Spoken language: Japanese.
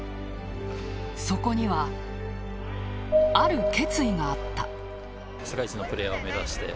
そこには、ある決意があった。